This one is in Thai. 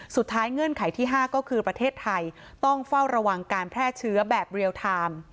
เงื่อนไขที่๕ก็คือประเทศไทยต้องเฝ้าระวังการแพร่เชื้อแบบเรียลไทม์